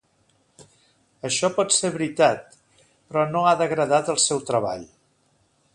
Això pot ser veritat, però no ha degradat el seu treball.